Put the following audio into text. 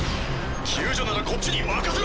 救助ならこっちに任せろ！